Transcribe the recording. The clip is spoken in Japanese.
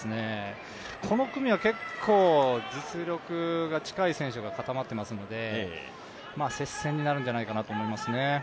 この組は結構、実力が近い選手が固まっていますので、接戦になるんじゃないかなと思いますね。